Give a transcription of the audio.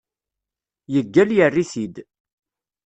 Yeggal yerr-it-id.